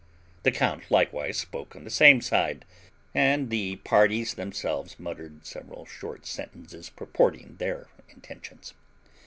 The count likewise spoke on the same side, and the parties themselves muttered several short sentences purporting their intentions.